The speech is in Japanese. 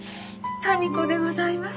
民子でございます。